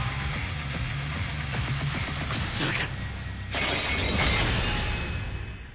クソが！